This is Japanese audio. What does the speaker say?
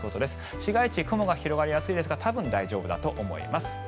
市街地、雲が広がりやすいですが多分大丈夫だと思います。